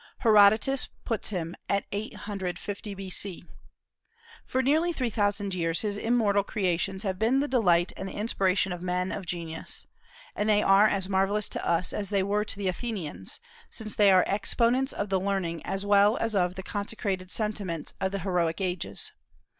Herodotus puts him at 850 B.C. For nearly three thousand years his immortal creations have been the delight and the inspiration of men of genius; and they are as marvellous to us as they were to the Athenians, since they are exponents of the learning as well as of the consecrated sentiments of the heroic ages.